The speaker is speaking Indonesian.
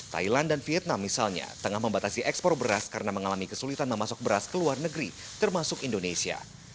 thailand dan vietnam misalnya tengah membatasi ekspor beras karena mengalami kesulitan memasuk beras ke luar negeri termasuk indonesia